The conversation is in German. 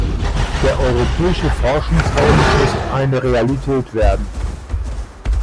Der europäische Forschungsraum muss eine Realität werden!